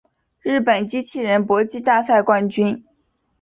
日本机器人搏击大赛冠军